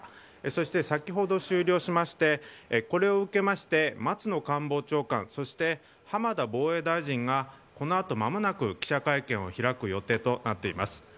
そして、先ほど終了しましてこれを受けまして松野官房長官そして、浜田防衛大臣がこの後間もなく、記者会見を開く予定となっています。